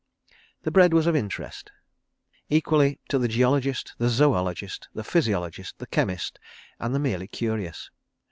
The bread was of interest—equally to the geologist, the zoologist, the physiologist, the chemist, and the merely curious.